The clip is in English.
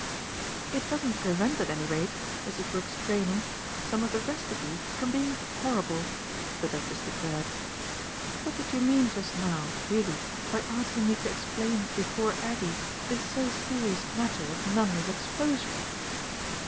"It doesn't prevent at any rate, Mrs. Brook's training, some of the rest of you from being horrible," the Duchess declared. "What did you mean just now, really, by asking me to explain before Aggie this so serious matter of Nanda's exposure?"